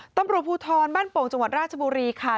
ตำรวจภูทรบ้านโป่งจังหวัดราชบุรีค่ะ